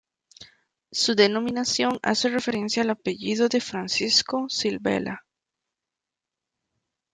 Su denominación hace referencia al apellido de Francisco Silvela.